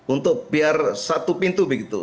untuk biar satu pintu begitu